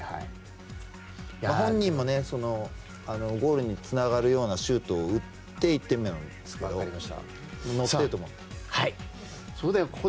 本人もゴールにつながるようなシュートを打っていってほしいですけども。